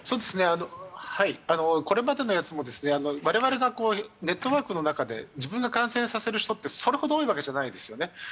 これまでのやつも我々がネットワークの中で自分が感染させる人って、それほど多いわけじゃないですよね。